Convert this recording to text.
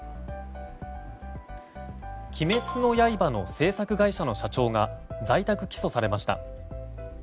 「鬼滅の刃」の制作会社の社長が在宅起訴されました。